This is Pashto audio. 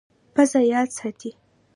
پزه یاد ساتي.